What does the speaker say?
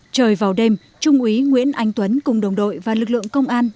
trời vào đêm trung úy nguyễn anh tuấn cùng đồng đội và lực lượng công an